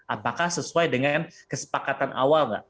apakah sesuai dengan kesepakatan awal mbak